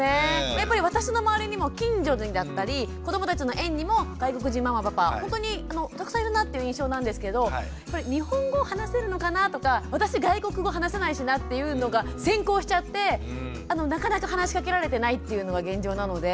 やっぱり私の周りにも近所にだったり子どもたちの園にも外国人ママパパほんとにたくさんいるなっていう印象なんですけど日本語話せるのかなとか私外国語話せないしなっていうのが先行しちゃってなかなか話しかけられてないっていうのが現状なので。